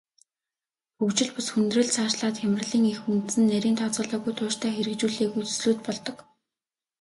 Хөгжил бус хүндрэл, цаашлаад хямралын эх үндэс нь нарийн тооцоогүй, тууштай хэрэгжүүлээгүй төслүүд болдог.